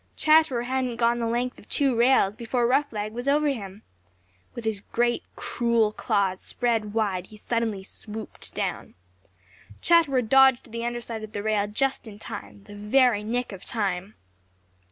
Chatterer hadn't gone the length of two rails before Roughleg was over him. With his great, cruel claws spread wide, he suddenly swooped down. Chatterer dodged to the under side of the rail just in time, the very nick of time.